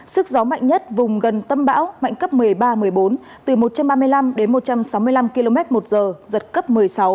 sức gió mạnh nhất vùng gần tâm bão mạnh cấp một mươi ba một mươi bốn từ một trăm ba mươi năm đến một trăm sáu mươi năm km một giờ giật cấp một mươi sáu